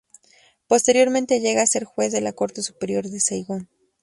Posteriormente llega a ser Juez de la Corte Superior de Saigón.